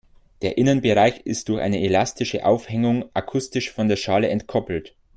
Der Innenbereich ist durch eine elastische Aufhängung akustisch von der Schale entkoppelt.